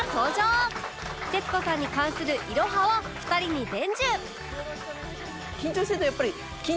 徹子さんに関するいろはを２人に伝授！